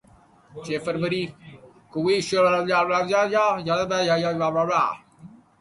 چھ فروری کو ویں ایشیائی سرما کھیلوں کا اختتام قازقستان کی کامیابیوں اور ایک شاندار تقریب پر ہوا